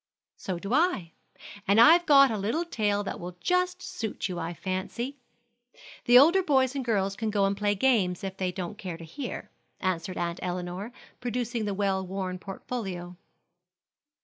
"So do I, and I've got a little tale that will just suit you, I fancy. The older boys and girls can go and play games if they don't care to hear," answered Aunt Elinor, producing the well worn portfolio.